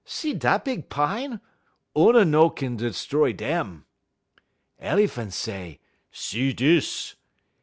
See da big pine? Oona no kin 'stroy dem.' "El'phan' say: 'See dis!'